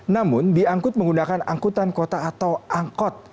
namun diangkut menggunakan angkutan kota atau angkot